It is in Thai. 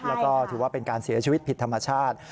แล้วก็ถือว่าเป็นการเสียชีวิตผิดธรรมชาติ